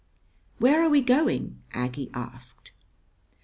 "Where are we going?" Aggie asked.